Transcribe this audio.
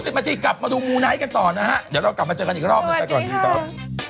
เดี๋ยวเรากลับมาเจอกันอีกรอบนะครับก่อนที่ตอนนี้ครับสวัสดีครับ